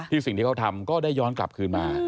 สิ่งที่เขาทำก็ได้ย้อนกลับคืนมา